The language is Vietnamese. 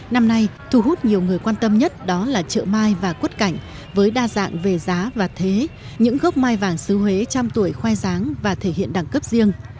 năm nay thu hút nhiều người quan tâm nhất đó là chợ mai và quất cảnh với đa dạng về giá và thế những gốc mai vàng xứ huế trăm tuổi khoe giáng và thể hiện đẳng cấp riêng